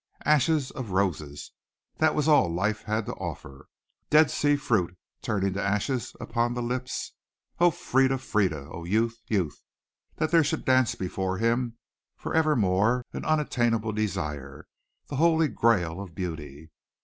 Ashes of roses that was all life had to offer. Dead sea fruit, turning to ashes upon the lips. Oh, Frieda! Frieda! Oh, youth, youth! That there should dance before him for evermore an unattainable desire the holy grail of beauty.